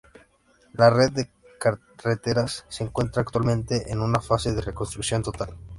La red de carreteras se encuentra actualmente en una fase de reconstrucción total.